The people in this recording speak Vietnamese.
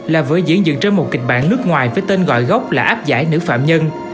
là vở diễn dựng trên một kịch bản nước ngoài với tên gọi gốc là áp giải nữ phạm nhân